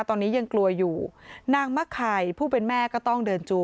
ตอนนี้ยังกลัวอยู่นางมะไข่ผู้เป็นแม่ก็ต้องเดินจู